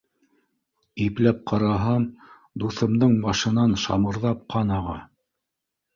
Ипләп ҡараһам, дуҫымдың башынан шабырҙап ҡан аға.